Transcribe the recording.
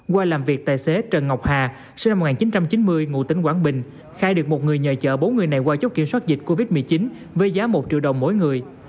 qua làm việc tài xế trần ngọc hà sinh năm một nghìn chín trăm chín mươi ngụ tính quảng bình khai được một người nhờ chợ bốn người này qua chốt kiểm soát dịch covid một mươi chín với giá một triệu đồng mỗi người